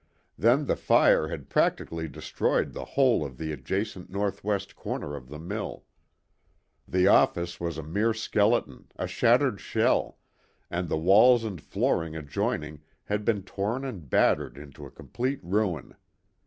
Then the fire had practically destroyed the whole of the adjacent northwest corner of the mill. The office was a mere skeleton, a shattered shell, and the walls and flooring adjoining had been torn and battered into a complete ruin.